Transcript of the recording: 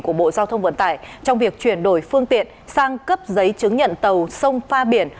của bộ giao thông vận tải trong việc chuyển đổi phương tiện sang cấp giấy chứng nhận tàu sông pha biển